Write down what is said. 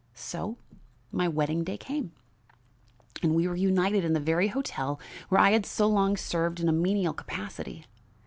"So my, wedding day came and we were united in the very hotel where I had so long served in a menial capacity.